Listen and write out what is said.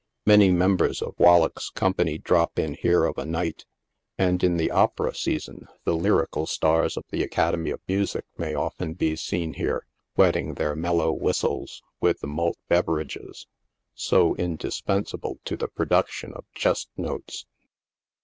Many members of Wal lack's company drop in here of a night, and, in the opera season, HAUNTS OF THE ACTORS. 11 the lyrical stars of the Academy of Music may often be seen here, wetting their mellow whistles with the malt beverages, so indispen sable to the production of chest notes.